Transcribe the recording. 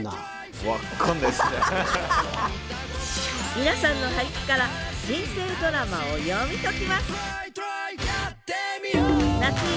皆さんの俳句から人生ドラマを読み解きます！